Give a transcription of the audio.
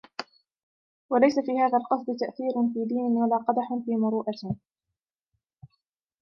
وَلَيْسَ فِي هَذَا الْقَصْدِ تَأْثِيرٌ فِي دِينٍ وَلَا قَدَحٌ فِي مُرُوءَةٍ